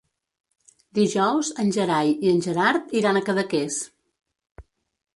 Dijous en Gerai i en Gerard iran a Cadaqués.